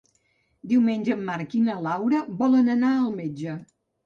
Diumenge en Marc i na Laura volen anar al metge.